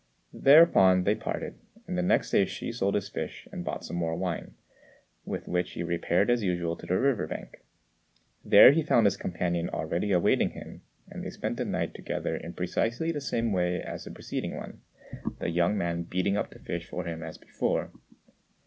Thereupon they parted, and the next day Hsü sold his fish and bought some more wine, with which he repaired as usual to the river bank. There he found his companion already awaiting him, and they spent the night together in precisely the same way as the preceding one, the young man beating up the fish for him as before.